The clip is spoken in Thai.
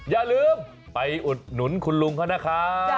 อย่าลืมไปอุดหนุนคุณลุงเขานะครับ